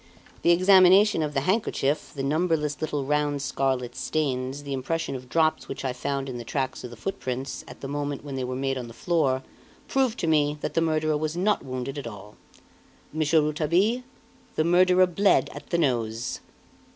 the examination of the handkerchief, the numberless little round scarlet stains, the impression of drops which I found in the tracks of the footprints, at the moment when they were made on the floor, prove to me that the murderer was not wounded at all. Monsieur Rouletabille, the murderer bled at the nose!"